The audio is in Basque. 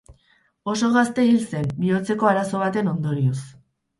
Oso gazte hil zen, bihotzeko arazo baten ondorioz.